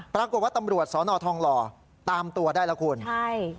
ปรากฏว่าตำรวจสอนอทองหล่อตามตัวได้แล้วคุณใช่